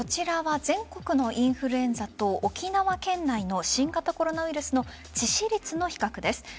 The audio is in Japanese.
全国のインフルエンザと沖縄県内の新型コロナウイルスの致死率の比較です。